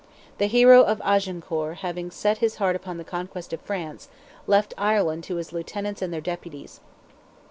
The hero of Agincourt having set his heart upon the conquest of France, left Ireland to his lieutenants and their deputies.